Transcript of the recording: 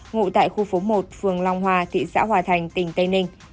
ngụ tại khu phố một phường long hòa thị xã hòa thành tỉnh tây ninh